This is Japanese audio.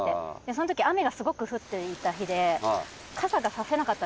その時雨がすごく降っていた日で。